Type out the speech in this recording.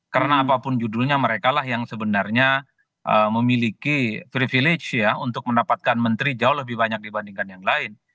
karena apapun judulnya mereka lah yang sebenarnya memiliki privilege ya untuk mendapatkan menteri jauh lebih banyak dibandingkan yang lain